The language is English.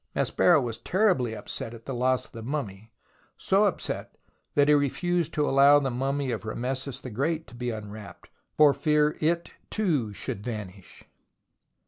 Maspero was terribly upset at the loss of the mummy, so upset that he refused to allow the mummy of Rameses the Great to be unwrapped, for fear it, too, should vanish.